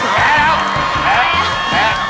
แท้แล้วแท้